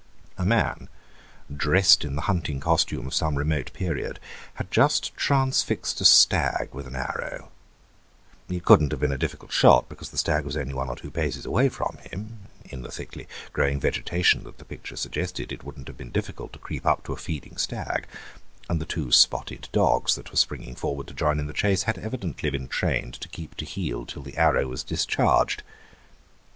A man, dressed in the hunting costume of some remote period, had just transfixed a stag with an arrow; it could not have been a difficult shot because the stag was only one or two paces away from him; in the thickly growing vegetation that the picture suggested it would not have been difficult to creep up to a feeding stag, and the two spotted dogs that were springing forward to join in the chase had evidently been trained to keep to heel till the arrow was discharged.